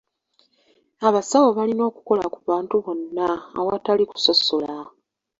Abasawo balina okukola ku bantu bonna awatali kusosola.